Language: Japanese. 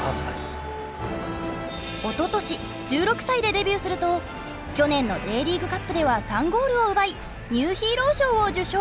おととし１６歳でデビューすると去年のＪリーグカップでは３ゴールを奪いニューヒーロー賞を受賞。